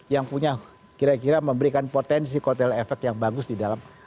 yang punya kira kira memberikan potensi kotel efek yang bagus di dalam